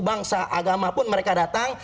bangsa agama pun mereka datang